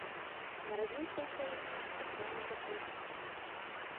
Нарадзіўся ў сям'і царкоўнага служыцеля.